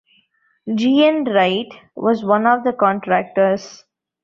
G. N. Wright was one of the contractors.